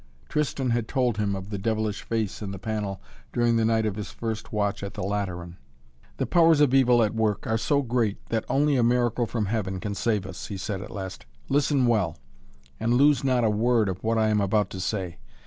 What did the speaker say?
Tristan had told him of the devilish face in the panel during the night of his first watch at the Lateran. "The powers of Evil at work are so great that only a miracle from heaven can save us," he said at last. "Listen well, and lose not a word of what I am about to say.